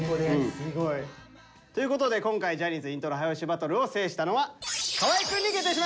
すごい。ということで今回「ジャニーズイントロ早押しバトル！」を制したのは河合くんに決定しました！